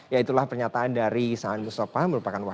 ya itulah pernyataan dari saan mustafa